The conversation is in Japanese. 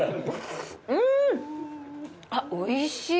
うんおいしい。